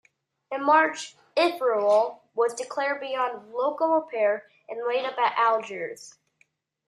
In March "Ithuriel" was declared beyond local repair and laid up at Algiers.